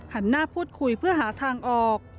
หน้าพูดคุยเพื่อหาทางออก